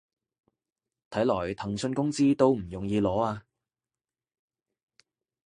睇來騰訊工資都唔容易攞啊